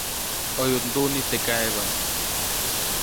ʼOyuʼt nduʼni teʼ kaʼebä.